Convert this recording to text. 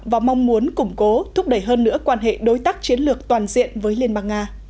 và mong muốn củng cố thúc đẩy hơn nữa quan hệ đối tác chiến lược toàn diện với liên bang nga